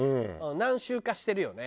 何周かしてるよね